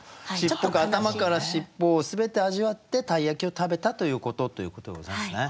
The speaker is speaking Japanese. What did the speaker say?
頭から尻尾を全て味わって鯛焼を食べたということということでございますね？